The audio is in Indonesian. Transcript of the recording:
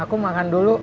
aku makan dulu